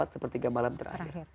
sepertiga malam terakhir